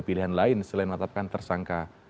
pilihan lain selain menetapkan tersangka